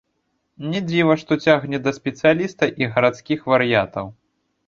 Не дзіва, што цягне да спецыяліста і гарадскіх вар'ятаў.